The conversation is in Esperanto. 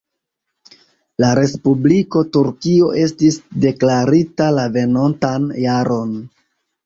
La Respubliko Turkio estis deklarita la venontan jaron.